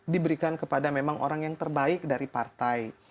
diberikan kepada memang orang yang terbaik dari partai